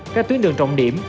các tuyến đường trọng điểm